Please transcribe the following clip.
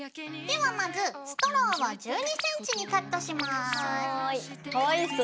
ではまずストローを１２ｃｍにカットします。